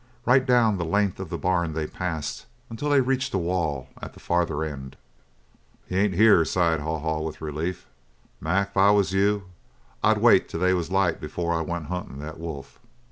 Right down the length of the barn they passed until they reached a wall at the farther end. "He ain't here," sighed Haw Haw, with relief. "Mac, if I was you, I'd wait till they was light before I went huntin' that wolf."